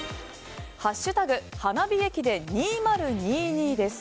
「＃花火駅伝２０２２」です。